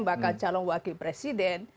bakal calon wakil presiden